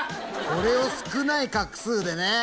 これを少ない画数でね。